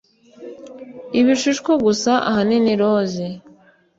ibishishwa, gusa ahanini rose